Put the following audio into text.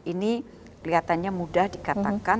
ini kelihatannya mudah dikatakan